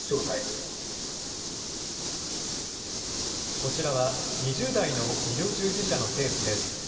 こちらは２０代の医療従事者のケースです。